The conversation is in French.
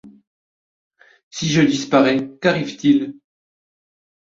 Si je disparais, qu'arrive-t-il?